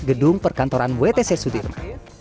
gedung perkantoran wtc sudirma